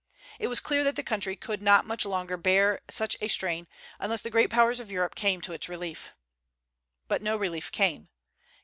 It was clear that the country could not much longer bear such a strain, unless the great Powers of Europe came to its relief. But no relief came.